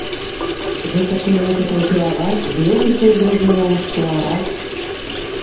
Вы пачынаеце там пілаваць, зносіць незразумела што, араць.